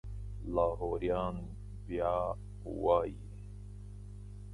لاهوریان بیا وایي.